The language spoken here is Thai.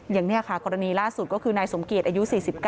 อย่างนี้ค่ะกรณีล่าสุดก็คือนายสมเกียจอายุ๔๙